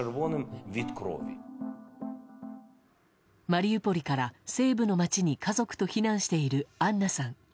マリウポリから西部の街に家族と避難しているアンナさん。